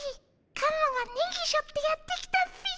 カモがネギしょってやって来たっピィ。